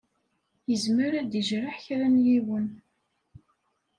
Izmer ad d-ijreḥ kra n yiwen.